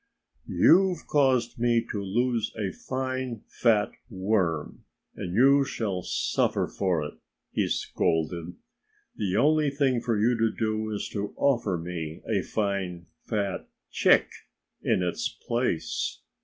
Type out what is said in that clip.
"You've caused me to lose a fine, fat worm; and you shall suffer for it!" he scolded. "The only thing for you to do is to offer me a fine, fat chick in its place."